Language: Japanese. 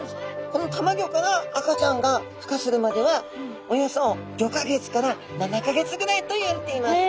このたまギョから赤ちゃんがふ化するまではおよそ５か月から７か月ぐらいといわれています。